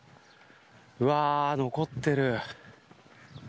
うわあ、残ってる。